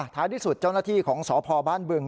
ท้ายที่สุดเจ้าหน้าที่ของสพบ้านบึง